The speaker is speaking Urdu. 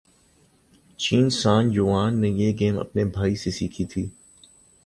چین سان یوان نے یہ گیم اپنے بھائی سے سیکھی تھی